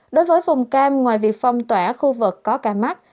đối với vùng cam ngoài việc phong tỏa khu vực có ca mắc